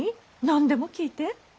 何でも聞いて。